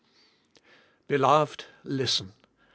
Beloved ! listen.